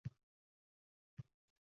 Uch yuz oltmish besh kunim bayram